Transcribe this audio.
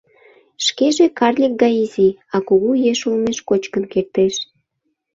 — Шкеже карлик гай изи, а кугу еш олмеш кочкын кертеш.